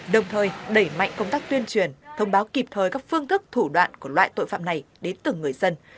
đồng thời đẩy mạnh công tác tuyên truyền thông báo kịp thời các phương thức thủ đoạn của loại tội phạm này đến từng người dân